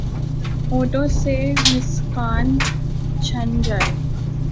ہونٹوں سے مسکان چھن جائے